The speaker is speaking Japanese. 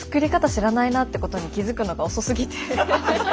知らないなってことに気付くのが遅すぎて。